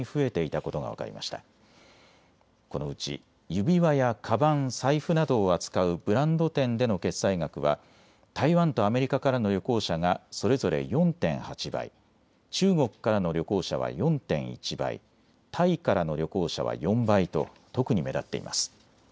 このうち指輪やかばん、財布などを扱うブランド店での決済額は台湾とアメリカからの旅行者がそれぞれ４．８倍、中国からの旅行者は４．１倍、タイからの旅行者は４倍と特に目立っています。